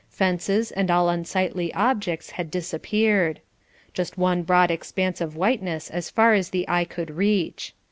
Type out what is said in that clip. Fences and all unsightly objects had disappeared. Just one broad expanse of whiteness as far as the eye could reach.